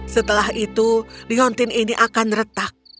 setelah itu liontin ini akan retak